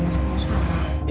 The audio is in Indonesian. masuk rumah sakit